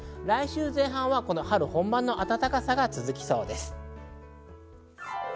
来週前半は春本番の暖かさが続きそうです。